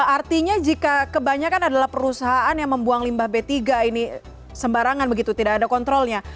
artinya jika kebanyakan adalah perusahaan yang membuang limbah b tiga ini sembarangan begitu tidak ada kontrolnya